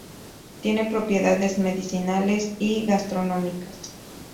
Tiene propiedades medicinales y gastronómicas.